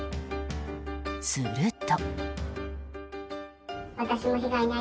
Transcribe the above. すると。